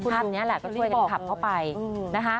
ภาพนี้แหละก็ช่วยกันขับเข้าไปนะคะ